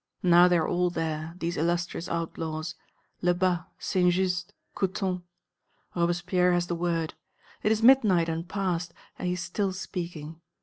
Now they are all there, these illustrious outlaws, Lebas, Saint Just, Couthon. Robespierre has the word. It is midnight and past, he is still speaking.